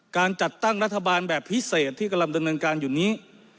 การจัดตั้งรัฐบาลแบบพิเศษที่กำลังดำเนินการอยู่นี้